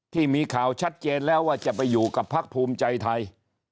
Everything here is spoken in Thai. ที่มีข่าวชัดเจนแล้วว่าจะไปอยู่กับพักภูมิใจไทย